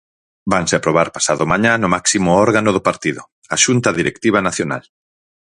Vanse aprobar pasadomañá no máximo órgano do partido, a Xunta Directiva Nacional.